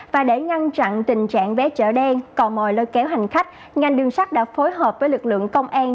và để ngăn chặn tình trạng vé chở đen cò mòi lôi kéo hành khách ngành đường sắt đã phối hợp với lực lượng công an